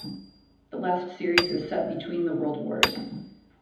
The last series is set between the world wars.